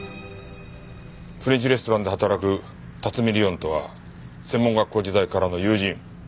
フレンチレストランで働く辰見莉音とは専門学校時代からの友人。